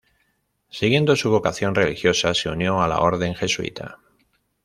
Siguiendo su vocación religiosa, se unió a la orden Jesuita.